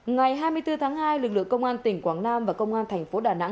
ngày hai mươi bốn tháng hai lực lượng công an tỉnh quảng nam và công an thành phố đà nẵng